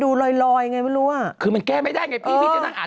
ลอยลอยไงไม่รู้อ่ะคือมันแก้ไม่ได้ไงพี่พี่จะนั่งอ่าน